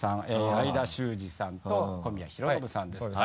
相田周二さんと小宮浩信さんです。